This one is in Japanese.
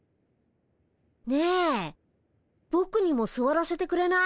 ねえぼくにもすわらせてくれない？